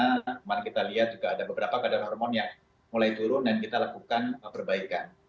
kemarin kita lihat juga ada beberapa kadar hormon yang mulai turun dan kita lakukan perbaikan